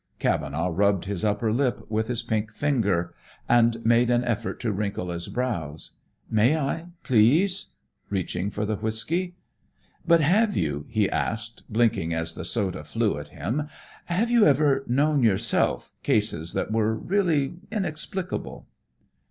'" Cavenaugh rubbed his upper lip with his pink finger and made an effort to wrinkle his brows. "May I, please?" reaching for the whiskey. "But have you," he asked, blinking as the soda flew at him, "have you ever known, yourself, cases that were really inexplicable?"